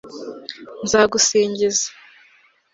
nzagusingiza